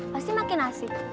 pasti makin asik